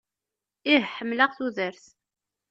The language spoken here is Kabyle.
Ih ḥemmleɣ tudert!